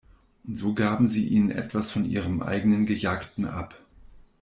Und so gaben sie ihnen etwas von ihrem eigenen Gejagten ab.